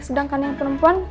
sedangkan yang perempuan